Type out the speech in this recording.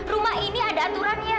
rumah ini ada aturannya